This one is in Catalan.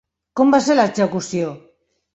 Com va ser l'execució?